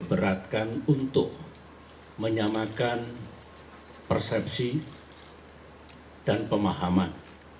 diberatkan untuk menyamakan persepsi dan pemahaman